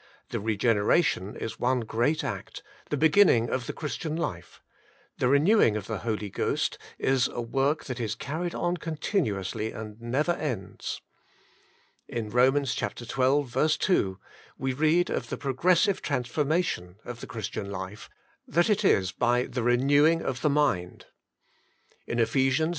The regeneration ,is one great act, the beginning of the Christian (life; the renewing of the Holy Ghost is a work ,'that is carried on continuously and never ends. In Eomans xii. 2 we read of the progressive transformation of the Christian life, that it is by " THE Eenewing op the Mind.'' In Ephe sians iv.